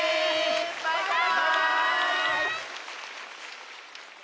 バイバーイ！